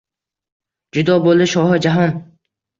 Judo bo’ldi Shohi Jahon —